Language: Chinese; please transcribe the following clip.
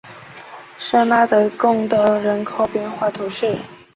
圣拉德贡德人口变化图示